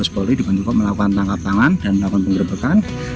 polri dibantu melakukan tangkap tangan dan melakukan penggerbekan